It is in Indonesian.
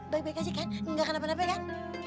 baik baik aja kan gak kena penapel kan